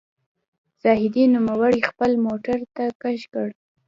زاهدي نوموړی خپل موټر ته کش کړ.